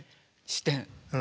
視点。